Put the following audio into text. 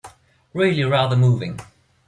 Really rather moving.